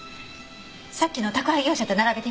さっきの宅配業者と並べてみて。